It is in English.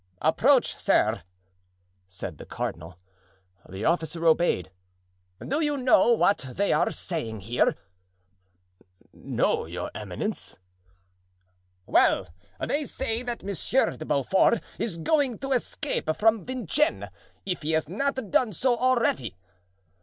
"Approach, sir," said the cardinal. The officer obeyed. "Do you know what they are saying here?" "No, your eminence." "Well, they say that Monsieur de Beaufort is going to escape from Vincennes, if he has not done so already."